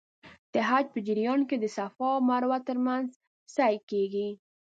د حج په جریان کې د صفا او مروه ترمنځ سعی کېږي.